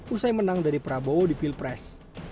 usai menang dari prabowo di pilpres